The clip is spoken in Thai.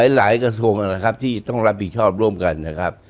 หลายกระทรวงนะครับที่ต้องรับผิดชอบร่วมกันนะครับ